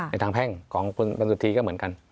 ทางแพ่งของคุณบรรจุธีก็เหมือนกัน